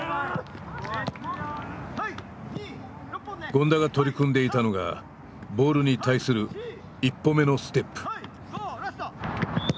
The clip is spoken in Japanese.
権田が取り組んでいたのがボールに対する一歩目のステップ。